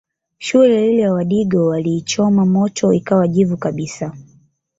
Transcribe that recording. Shule ile wadigo waliichoma moto ikawa jivu kabisa